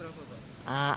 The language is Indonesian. besarnya berapa pak